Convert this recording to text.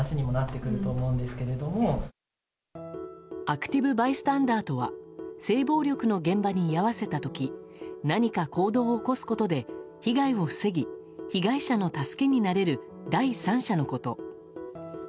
アクティブバイスタンダーとは性暴力の現場に居合わせた時何か行動を起こすことで被害を防ぎ被害者の助けになれる第三者のこと。